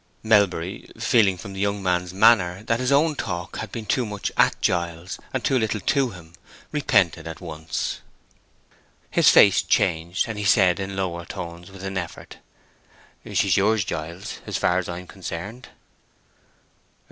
Melbury, feeling from the young man's manner that his own talk had been too much at Giles and too little to him, repented at once. His face changed, and he said, in lower tones, with an effort, "She's yours, Giles, as far as I am concerned."